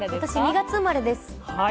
２月生まれです。